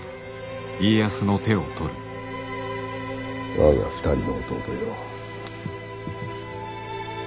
我が２人の弟よ。